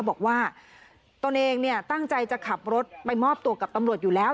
บอกว่าตัวเองเนี่ยตั้งใจจะขับรถไปมอบตัวกับตำรวจอยู่แล้ว